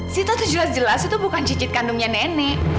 sita terjelas jelas itu bukan cicit kandungnya nenek